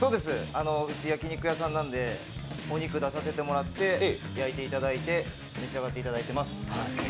うち焼き肉屋さんなんで肉を出して焼いていただいて召し上がっていただいています。